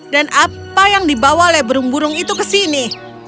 dan apa yang dibawa oleh burung burung itu ke sini